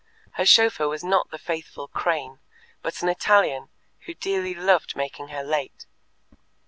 Her chauffeur was not the faithful Crane, but an Italian, who dearly loved making her late.